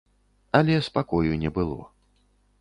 Але спакою не было.